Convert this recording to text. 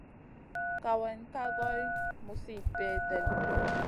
Kawayna ka goy muzi peldet.